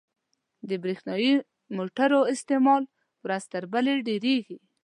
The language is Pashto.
• د برېښنايي موټرو استعمال ورځ تر بلې ډېرېږي.